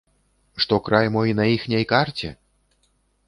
Што край мой на іхняй карце?